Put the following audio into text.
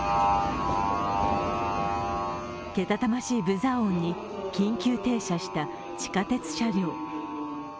けたたましいブザー音に緊急停車した地下鉄車両。